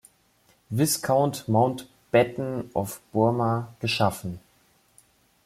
Viscount Mountbatten of Burma, geschaffen.